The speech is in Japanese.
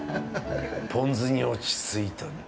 ポン酢に落ちついた。